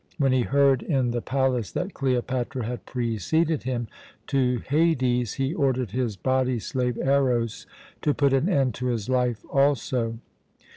When he heard in the palace that Cleopatra had preceded him to Hades, he ordered his body slave Eros to put an end to his life also.